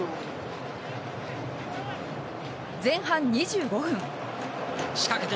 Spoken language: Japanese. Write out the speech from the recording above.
前半２５分。